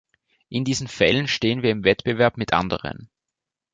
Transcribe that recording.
In diesen Fällen stehen wir im Wettbewerb mit anderen.